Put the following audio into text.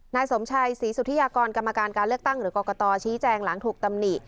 นายสมชัยศรีสุธิยากรกรรมการการเลือกตั้งหรือกรกตชี้แจงหลังถูกตำหนิ